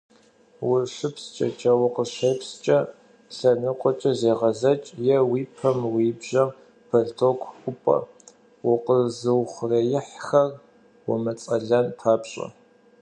УщыпсчэкӀэ, укъыщепскӀэ лъэныкъуэкӀэ зегъэзэкӀ е уи пэм, уи жьэм бэлътоку ӀупӀэ, укъэзыухъуреихьхэр умыцӀэлэн папщӀэ.